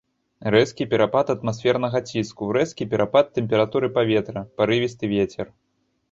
Рэзкі перапад атмасфернага ціску, рэзкі перапад тэмпературы паветра, парывісты вецер.